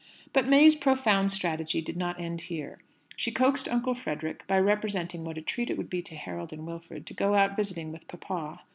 But May's profound strategy did not end here. She coaxed Uncle Frederick by representing what a treat it would be to Harold and Wilfred to go out visiting with papa.